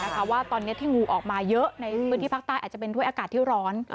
ว่าตอนนี้ที่งูออกมาเยอะในพื้นที่ภาคใต้อาจจะเป็นด้วยอากาศที่ร้อน